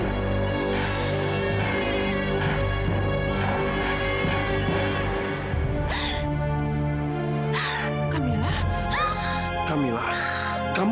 tapi hari ini gua akan ambil dia dari kalian